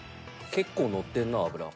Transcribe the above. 結構乗ってるな脂。